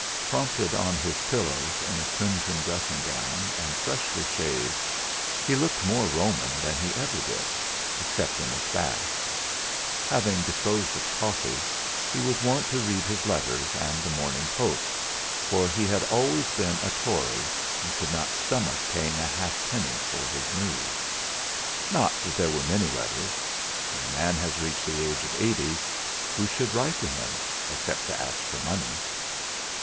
Propped on his pillows in a crimson dressing gown, and freshly shaved, he looked more Roman than he ever did, except in his bath. Having disposed of coffee, he was wont to read his letters, and The Morning Post, for he had always been a Tory, and could not stomach paying a halfpenny for his news. Not that there were many letters when a man has reached the age of eighty, who should write to him, except to ask for money?